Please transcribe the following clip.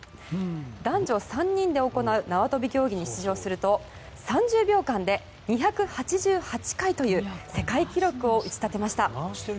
男女３人で行う縄跳び競技に出場すると３０秒間で２８８回という世界記録を打ち立てました。